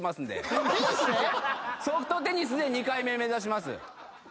ソフトテニスで２回目目指します。